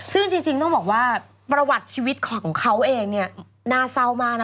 ซึ่งจริงต้องบอกว่าประวัติชีวิตของเขาเองเนี่ยน่าเศร้ามากนะ